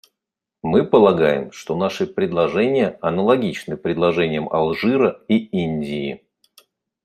Мы полагаем, что наши предложения аналогичны предложениям Алжира и Индии.